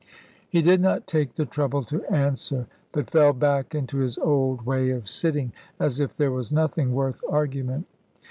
He did not take the trouble to answer, but fell back into his old way of sitting, as if there was nothing worth argument.